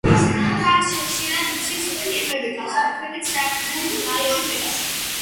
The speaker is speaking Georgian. ზამთარში ხშირად იცის ყინვები, განსაკუთრებით სამხრეთის რაიონებში.